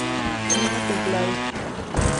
Clima templado.